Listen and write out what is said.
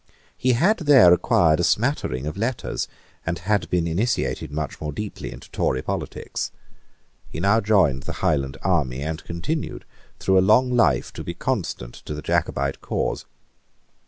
He had there acquired a smattering of letters, and had been initiated much more deeply into Tory politics. He now joined the Highland army, and continued, through a long life to be constant to the Jacobite cause.